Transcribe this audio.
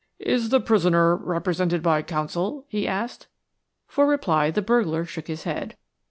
"Is the prisoner represented by counsel?" he asked. For reply the burglar shook his head.